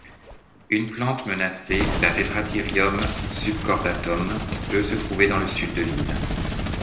Une plante menacée, la Tetrathyrium subcordatum, peut se trouver dans le sud de l'île.